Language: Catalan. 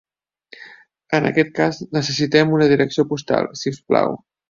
En aquest cas necessitem una direcció postal, si us plau.